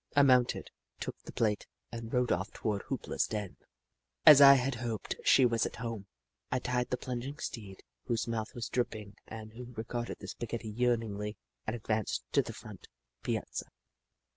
I mounted, took the plate, and rode off toward Hoop La's den. As I had hoped, she was at home. I tied the plunging steed, whose mouth was dripping and who regarded the spaghetti yearningly, and advanced to the front piazza.